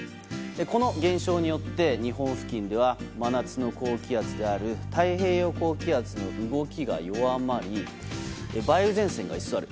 この現象によって日本付近では真夏の高気圧である太平洋高気圧の動きが弱まり、梅雨前線が居座る。